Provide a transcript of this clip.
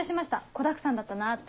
子だくさんだったなって。